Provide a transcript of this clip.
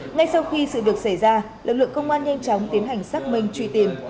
ngay sau khi sự việc xảy ra lực lượng công an nhanh chóng tiến hành xác minh truy tìm